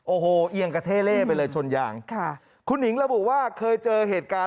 โอ้โหเอียงกระเท่เล่ไปเลยชนยางค่ะคุณหิงระบุว่าเคยเจอเหตุการณ์